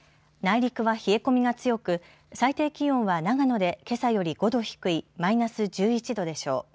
内陸は冷え込みが強く最低気温は長野で、けさより５度低いマイナス１１度でしょう。